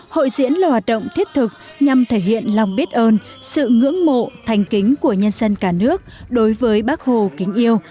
hội diễn là hoạt động thiết thực nhằm thể hiện lòng biết ơn sự ngưỡng mộ thành kính của nhân dân cả nước đối với bác hồ kính yêu